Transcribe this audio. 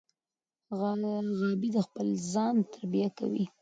غابي د خپل ځان تربیه کوي.